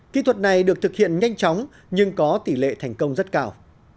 kỹ thuật này được thực hiện nhanh chóng nhưng có tỷ lệ thành công rất cao